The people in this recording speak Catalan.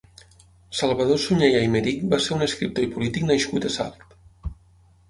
Salvador Sunyer i Aimeric va ser un escriptor i polític nascut a Salt.